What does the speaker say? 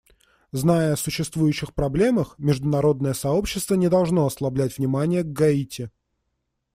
Зная о существующих проблемах, международное сообщество не должно ослаблять внимания к Гаити.